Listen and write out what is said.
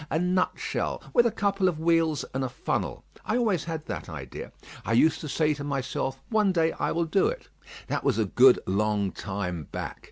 A nut shell with a couple of wheels and a funnel. I always had that idea. I used to say to myself, one day I will do it. That was a good long time back.